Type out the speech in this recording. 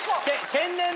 天然！